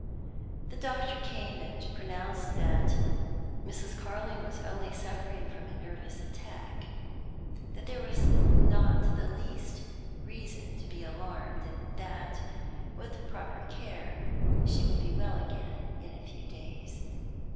The doctor came, and pronounced that Mrs. Carling was only suffering from a nervous attack; that there was not the least reason to be alarmed; and that, with proper care, she would be well again in a few days.